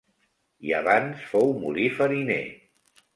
I abans fou molí fariner.